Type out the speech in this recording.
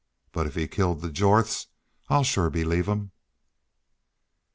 But if he killed the Jorths, I'll shore believe him."